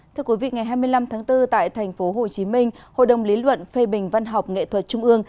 thưa quý vị ngày hai mươi năm tháng bốn tại tp hcm hội đồng lý luận phê bình văn học nghệ thuật trung ương